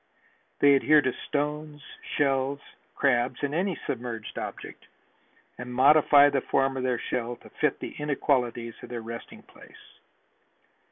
They adhere to stones, shells, crabs and any submerged object, and modify the form of their shell to fit the inequalities of their resting place.